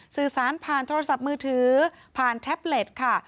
สื่อสารผ่านโทรศัพท์มือถือผ่านแท็บเล็ตค่ะ